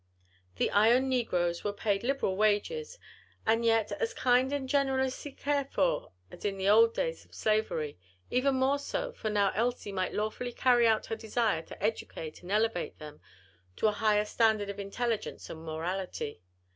The Ion negroes were paid liberal wages, and yet as kind and generously cared for as in the old days of slavery; even more so, for now Elsie might lawfully carry out her desire to educate and elevate them to a higher standard of intelligence and morality.